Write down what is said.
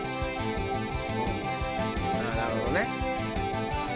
なるほどね。